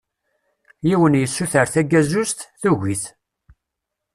Yiwen yessuter tagazuzt, tugi-t.